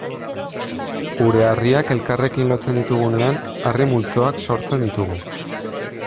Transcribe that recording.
Gure harriak elkarrekin lotzen ditugunean, harri multzoak sortzen ditugu.